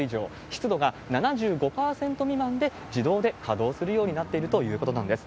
湿度が７５％未満で、自動で稼働するようになっているということなんです。